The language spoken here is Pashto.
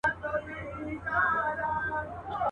ټول جهان ورته تیاره سو لاندي باندي.